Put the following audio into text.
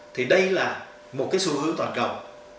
thì đây là một cái xu hướng toàn cộng